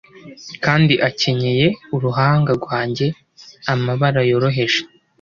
kandi akenyeye uruhanga rwanjye amabara yoroheje